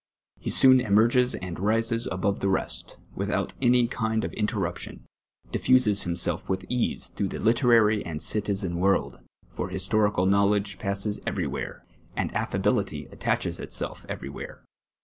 He soon emerfjes and rises above the rest, without any kind of intcrnq)tion : ditiuses himself with ease throu;::h the literaiT and citizin world, for historical knowledp^e passes ever^ where, and affability attaches it.self everyAvhere.